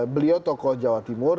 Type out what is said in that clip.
beliau tokoh jawa timur